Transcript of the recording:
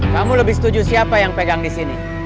kamu lebih setuju siapa yang pegang disini